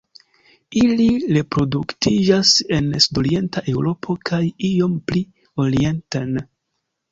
Ili reproduktiĝas en sudorienta Eŭropo kaj iom pli orienten.